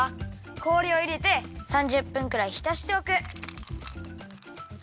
氷をいれて３０分くらいひたしておく。